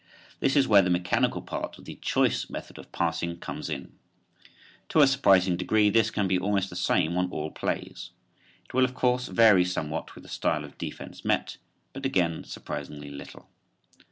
This is where the mechanical part of the "choice" method of passing comes in. To a surprising degree this can be almost the same on all plays. It will of course vary somewhat with the style of defense met, but again surprisingly little.